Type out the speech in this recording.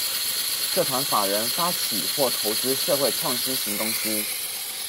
社團法人發起或投資社會創新型公司